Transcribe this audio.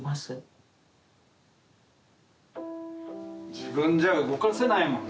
自分じゃ動かせないもんね。